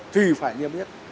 thì phải niêm yết